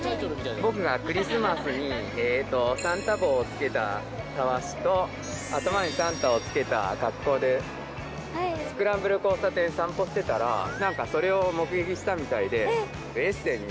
僕がクリスマスにサンタ帽をつけたタワシと頭にサンタをつけた格好でスクランブル交差点散歩してたら何かそれを目撃したみたいで。